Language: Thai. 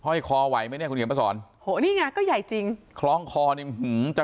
เฮ้ยคอไหวไหมเนี่ยคุณเห็นประสอนโหนี่ไงก็ใหญ่จริงคลองคอนี่หือ